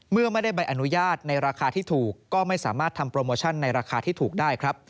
เมื่อไม่ได้ใบอนุญาตในราคาที่ถูกก็ไม่สามารถทำโปรโมชั่นในราคาที่ถูกได้ครับ